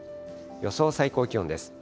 予想最高気温です。